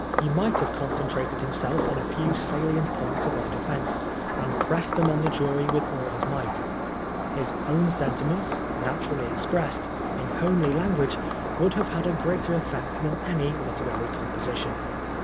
He might have concentrated himself on a few salient points of our defence, and pressed them on the jury with all his might. His own sentiments, naturally expressed, in homely language, would have had a greater effect than any literary composition.